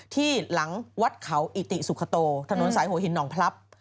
ที่หลังวัดเขาอิติสุขโตถนนสายหัวหินหนองพลับ